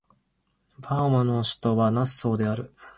バハマの首都はナッソーである